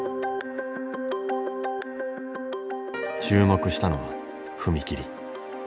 注目したのは踏み切り。